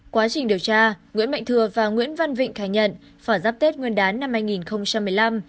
quá trình điều tra nguyễn mạnh thừa và nguyễn văn vịnh khai nhận phải giáp tết nguyên đán năm hai nghìn một mươi năm